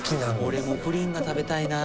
俺もプリンが食べたいな。